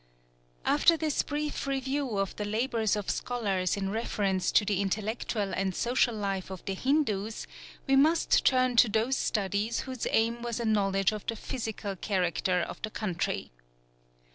After this brief review of the labours of scholars in reference to the intellectual and social life of the Hindus, we must turn to those studies whose aim was a knowledge of the physical character of the country.